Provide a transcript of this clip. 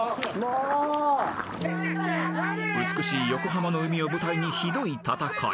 ［美しい横浜の海を舞台にひどい戦い］